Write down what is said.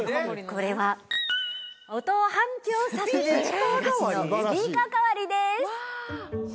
これは音を反響させる昔のスピーカー代わりです